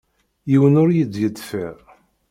Yiwen ur yi-d-yeḍfir.